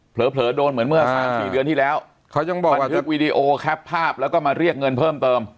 เผลอโดนเหมือนเมื่อสามสี่เดือนที่แล้วเขายังบอกบันทึกวีดีโอแคปภาพแล้วก็มาเรียกเงินเพิ่มเติม